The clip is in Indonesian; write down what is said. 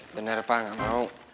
bener pak gak mau